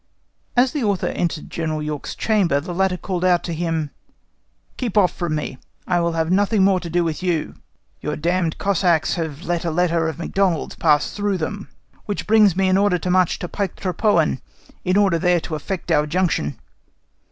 As the Author entered General York's chamber, the latter called out to him, "Keep off from me; I will have nothing more to do with you; your d——d Cossacks have let a letter of Macdonald's pass through them, which brings me an order to march on Piktrepohnen, in order there to effect our junction.